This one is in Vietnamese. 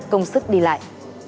công sức đi lại